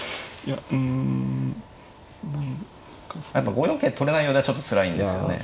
やっぱ５四桂取れないようではちょっとつらいんですよね。